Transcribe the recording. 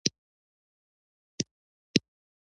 زموږ پلرونو لښکرونه جوړول او دفاع یې کوله.